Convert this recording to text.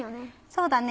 そうだね。